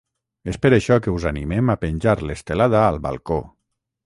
És per això que us animem a penjar l’estelada al balcó.